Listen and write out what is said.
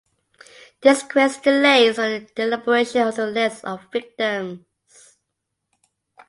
This creates delays for the elaboration of the list of victims.